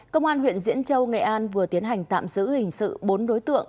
công an huyện diễn châu nghệ an vừa tiến hành tạm giữ hình sự bốn đối tượng